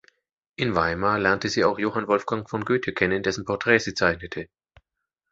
In Weimar lernte sie auch Johann Wolfgang von Goethe kennen, dessen Porträt sie zeichnete.